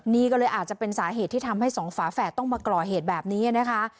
นี่ก็เลยอาจจะเป็นสาเหตุที่ทำให้สองฝาแฝดต้องมาก่อเหตุแบบนี้นะคะ